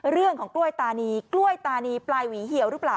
เรื่องของกล้วยตานีกล้วยตานีปลายหวีเหี่ยวหรือเปล่า